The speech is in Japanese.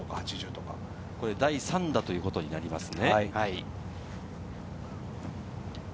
第３打ということになりますね。